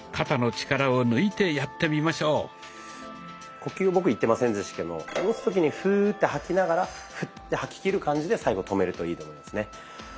呼吸を僕言ってませんでしたけど下ろすときにフーッて吐きながらフッて吐ききる感じで最後止めるといいと思いますね。